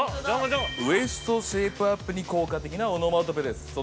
◆ウエストシェイプアップに効果的なオノマトペです。